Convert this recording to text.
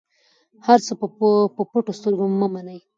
هر څه په پټو سترګو مه منئ.